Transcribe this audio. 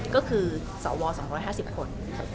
ก็คือสว๒๕๐คน